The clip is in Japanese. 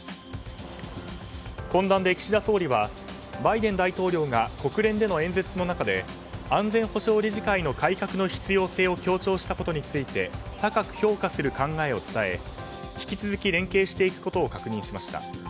懇談で岸田総理はバイデン大統領が国連での演説の中で安全保障理事会の改革の必要性を強調したことについて高く評価する考えを伝え引き続き連携していくことを確認しました。